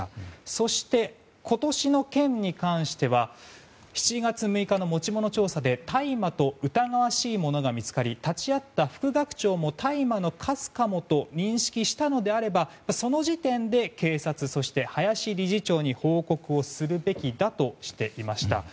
そして、今年の件に関しては７月６日の持ち物調査で大麻と疑わしいものが見つかり立ち会った副学長も大麻のかすかもと認識したのであればその時点で、警察そして林理事長に報告すべきだとしていました。